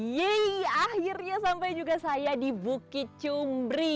yeay akhirnya sampai juga saya di bukit cumbri